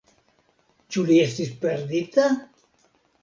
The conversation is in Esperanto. Ĉu li estis perdita?